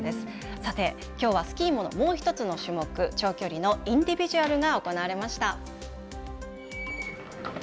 さて、きょうはスキーモのもう一つの種目、長距離のインディビジュアルが行われました。